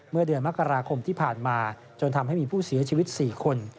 เมื่อเดือนมกราคมที่ผ่านมาจนทำให้มีผู้เสียชีวิต๔คน